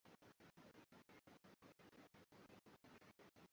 hifadhi ya taifa ruaha inapatika iringa